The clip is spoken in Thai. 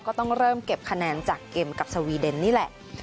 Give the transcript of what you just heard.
ก็ต้องเริ่มเก็บคะแนนจากเกมกับสวีเดนนี่แหละ